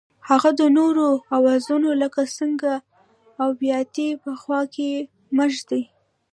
هغه د نورو اوزارونو لکه څټک او بیاتي په خوا کې مه ږدئ.